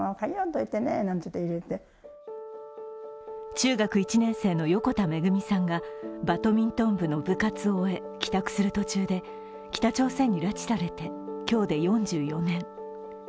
中学１年生の横田めぐみさんがバドミントン部の部活を終え、帰宅する途中で北朝鮮に拉致されて今日で４４年。